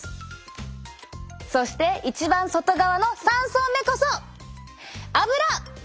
そして一番外側の３層目こそアブラ！